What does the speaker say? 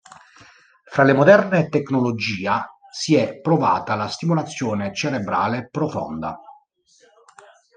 Fra le moderne tecnologia si è provata la stimolazione cerebrale profonda.